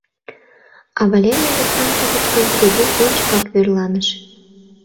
А Валерий Александрович гын трибун ончыкак верланыш.